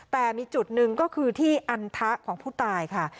แต่มีจุดหนึ่งก็คือที่อันทะของผู้ตายค่ะ